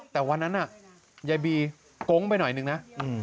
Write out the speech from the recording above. แต่วันนั้นน่ะยายบีโก๊งไปหน่อยนึงนะ